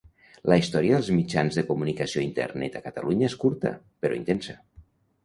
La història dels mitjans de comunicació a Internet a Catalunya és curta, però intensa.